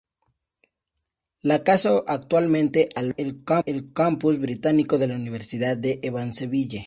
La casa actualmente alberga el campus británico de la Universidad de Evansville.